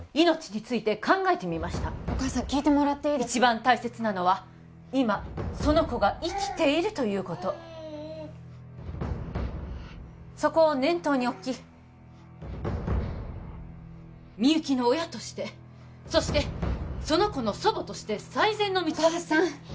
命について考えてみましたお母さん聞いてもらっていい一番大切なのは今その子が生きているということそこを念頭に置きみゆきの親としてそしてその子の祖母として最善の道お母さん